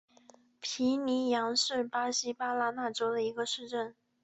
皮尼扬是巴西巴拉那州的一个市镇。